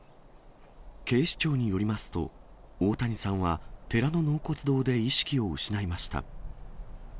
警視庁によりますと、大谷さんは寺の納骨堂で意識を失いました。